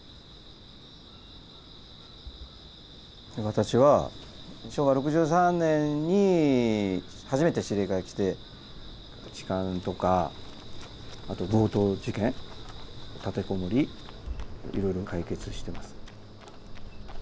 私は昭和６３年に初めて指令課へ来て痴漢とかあと強盗事件立て籠もりいろいろ解決してます。